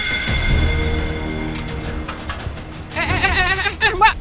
eh eh eh eh mbak